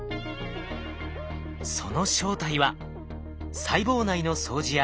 その正体は細胞内の掃除屋